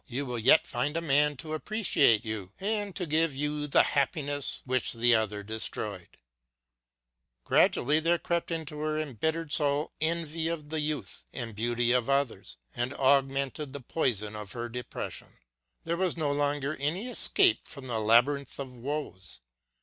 you will yet find a man to appreciate you and to give you the happiness which the other destroyed !" Gradually there crept into her embittered soul envy of the youth and beauty of others and augmented the poison of her depression. There was no longer any escape from this labyrinth of woes